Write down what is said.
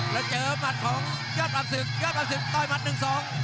แล้วเจอหมัดของยอบอับสืบยอบอับสืบต่อยหมัดหนึ่งสอง